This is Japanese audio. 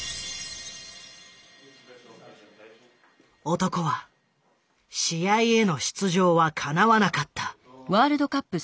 男は試合への出場はかなわなかった。